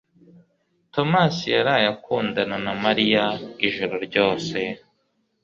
Tomasi yaraye akundana na Mariya ijoro ryose.